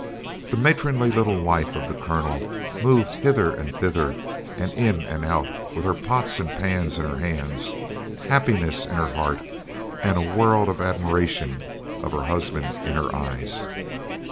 The matronly little wife of the Colonel moved hither and thither and in and out with her pots and pans in her hands, happiness in her heart and a world of admiration of her husband in her eyes.